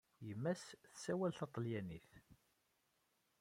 Yemma-s tessawal taṭalyanit.